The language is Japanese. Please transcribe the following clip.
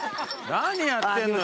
何やってんのよ。